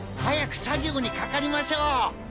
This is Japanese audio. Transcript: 早く作業にかかりましょう！